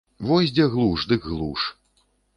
Вось дзе глуш дык глуш.